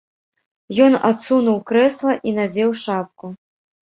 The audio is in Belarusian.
Ён адсунуў крэсла і надзеў шапку.